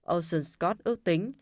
ocean scott ước tính